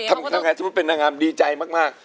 ทำไงสมมุติเป็นนางงามดีใจมาก